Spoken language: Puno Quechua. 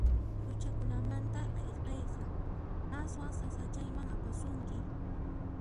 Huchakunamanta ayqiyqa aswan sasachayman apasunki.